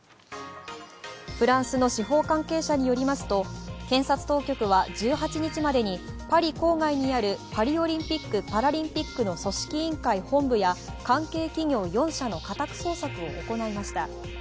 フランスの司法関係者によりますと検察当局は１８日までにパリ郊外にあるパリオリンピック・パラリンピックの組織委員会本部や関係企業４社の家宅捜索を行いました。